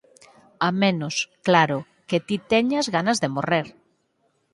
A menos, claro, que ti teñas ganas de morrer.